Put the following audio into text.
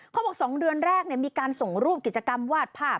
บอก๒เดือนแรกมีการส่งรูปกิจกรรมวาดภาพ